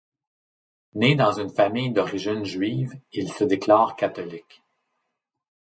Né dans une famille d'origine juive, il se déclare catholique.